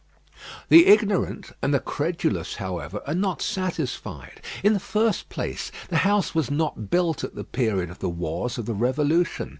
The ignorant and the credulous, however, are not satisfied. In the first place, the house was not built at the period of the wars of the Revolution.